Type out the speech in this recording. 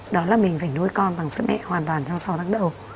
đó là mình phải nuôi con bằng sữa mẹ hoàn toàn trong sáu tháng đầu